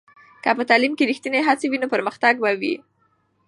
که په تعلیم کې ریښتینې هڅه وي، نو پرمختګ به وي.